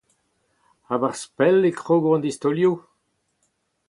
A-barzh pell e krogo an distaolioù ?